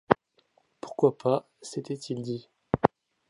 Pourquoi pas? s’était-il dit.